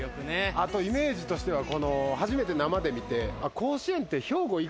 あとイメージとしては初めて生で見て。